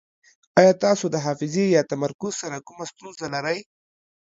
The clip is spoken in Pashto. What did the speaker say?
ایا تاسو د حافظې یا تمرکز سره کومه ستونزه لرئ؟